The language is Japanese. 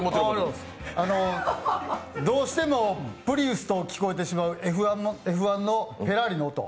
どうしてもプリンスと聞こえてしまうＦ１のフェラーリの音。